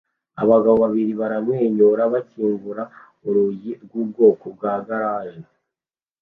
Abagabo babiri baramwenyura bakingura urugi rwubwoko bwa garage